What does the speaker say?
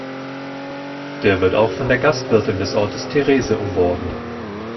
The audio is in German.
Der wird auch von der Gastwirtin des Ortes Therese umworben.